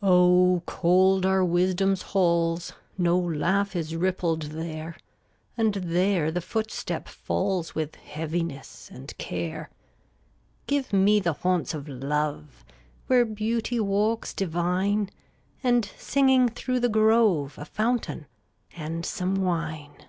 368 Oh, cold are Wisdom's halls, No laugh is rippled there, And there the footstep falls With heaviness and care. Give me the haunts of Love, Where Beauty walks divine, And, singing through the grove, A fountain — and some wine.